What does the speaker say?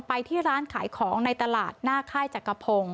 ไปที่ร้านขายของในตลาดหน้าค่ายจักรพงศ์